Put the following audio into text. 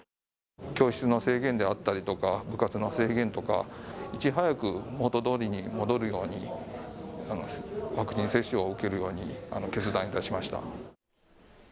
教室の制限であったりとか、部活の制限とか、いち早く元どおりに戻るように、ワクチン接種を受けるように決断いたしました。